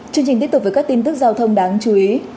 chương trình tiếp tục với các tin tức giao thông đáng chú ý